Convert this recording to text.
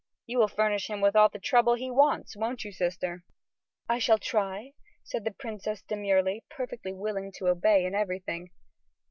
You will furnish him all the trouble he wants, won't you, sister?" "I shall try," said the princess demurely, perfectly willing to obey in everything.